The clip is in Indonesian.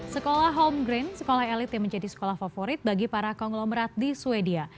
sekolah home green sekolah elit yang menjadi sekolah favorit bagi para konglomerat di sweden